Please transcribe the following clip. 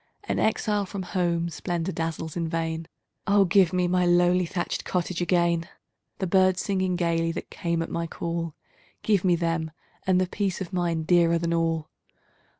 An exile from home, splendor dazzles in vain! Oh, give me my lowly thatched cottage again! The birds singing gaily that came at my call! Give me them! and the peace of mind, dearer than all.